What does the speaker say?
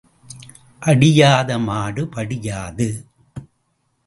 அடியாத மாடு படியாது.